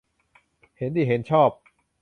เห็นดีเห็นชอบ